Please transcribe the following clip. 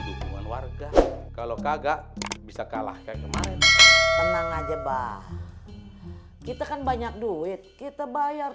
dukungan warga kalau kagak bisa kalah kayak kemarin tenang aja bah kita kan banyak duit kita bayar